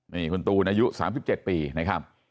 นี่คุณตูนอายุ๓๗ปีนะครับ